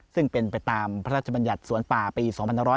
ซึ่งเป็นไปตามพระราชบัญญัติสวนป่าปี๒๕๖๐